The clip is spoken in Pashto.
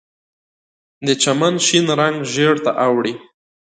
د چمن شنه رنګ ژیړ ته اړوي